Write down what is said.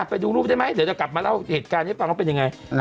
ไปดูรูปได้ไหมเดี๋ยวจะกลับมาเล่าเหตุการณ์ให้ฟังว่าเป็นยังไง